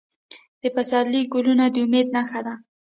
د پسرلي ګلونه د امید نښه ده.